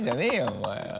お前は。